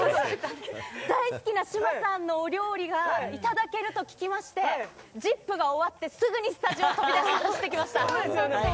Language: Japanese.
大好きな志麻さんのお料理が頂けると聞きまして、ＺＩＰ！が終わってすぐにスタジオを飛び出そうですよね。